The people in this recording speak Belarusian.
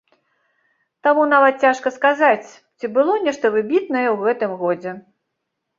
Таму нават цяжка сказаць, ці было нешта выбітнае ў гэтым годзе.